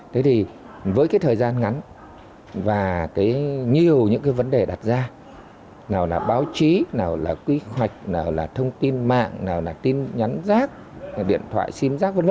thế thì với cái thời gian ngắn và nhiều những cái vấn đề đặt ra nào là báo chí nào là quy hoạch nào là thông tin mạng nào là tin nhắn rác điện thoại sim giác v v